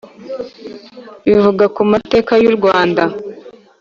bivuga ku mateka y’u rwanda